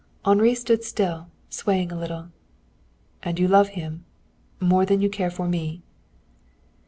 Henri stood still, swaying a little. "And you love him? More than you care for me?"